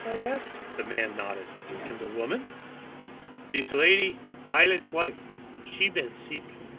I asked. The man nodded. "And the woman?" "Dees lady, pilot's wife. She been seek."